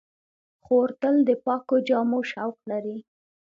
خور تل د پاکو جامو شوق لري.